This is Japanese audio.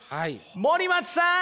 森松さん